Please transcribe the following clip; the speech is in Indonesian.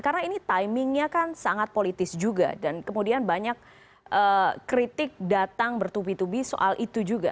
karena ini timingnya kan sangat politis juga dan kemudian banyak kritik datang bertubi tubi soal itu juga